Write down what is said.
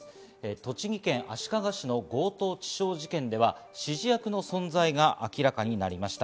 栃木県足利市の強盗致傷事件では指示役の存在が明らかになりました。